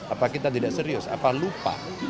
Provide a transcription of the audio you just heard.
apa kita tidak serius apa lupa